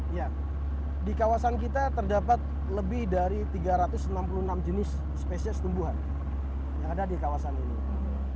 ya di kawasan kita terdapat lebih dari tiga ratus enam puluh enam jenis spesies tumbuhan yang ada di kawasan ini